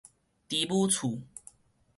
豬母厝